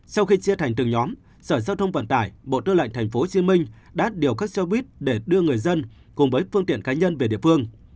sau khi chia thành từng nhóm sở giao thông vận tải bộ tư lệnh tp hcm đã điều các xe buýt để đưa người dân cùng với phương tiện cá nhân về địa phương